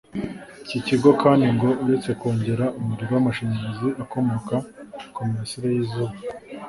Iki kigo kandi ngo uretse kongera umuriro w’amashanyarazi akomoka ku mirasire y’izuba